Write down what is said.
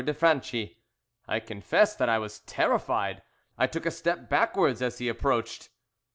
de Franchi. I confess that I was terrified, and took a step backwards as he approached.